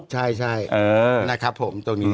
ใช่นะครับผมตรงนี้